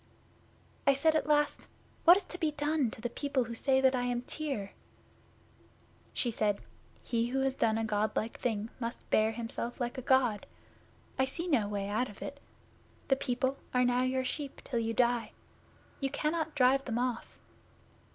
'I said at last, "What is to be done to the people who say that I am Tyr?" 'She said, "He who has done a God like thing must bear himself like a God. I see no way out of it. The people are now your sheep till you die. You cannot drive them off."